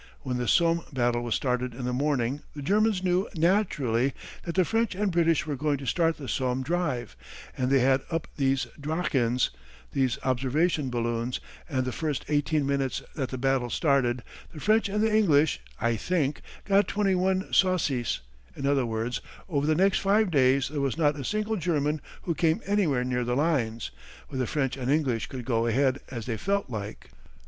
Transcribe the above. When the Somme battle was started in the morning the Germans knew, naturally, that the French and British were going to start the Somme drive, and they had up these Drachens, these observation balloons, and the first eighteen minutes that the battle started the French and the English, I think, got twenty one "saucisse"; in other words, for the next five days there was not a single German who came anywhere near the lines, but the French and English could go ahead as they felt like.